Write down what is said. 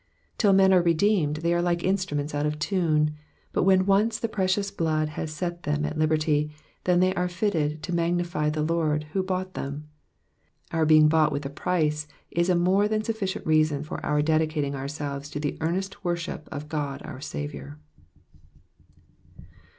Till men are redeemed, thoy are like instruments out of tune ; but when once the precious blood has set them at liberty, then are they fitted to magnify the Lord who bought them. Our being bought with a price is a more than suflicient reason for our dedicating ourselves to the earnest worship of God our Saviour.